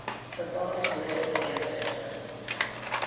THE LONG LIVED ANCESTORS.